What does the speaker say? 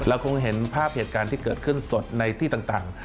คงเห็นภาพเหตุการณ์ที่เกิดขึ้นสดในที่ต่าง